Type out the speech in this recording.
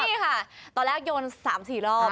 นี่ค่ะตอนแรกโยนสามสี่รอบ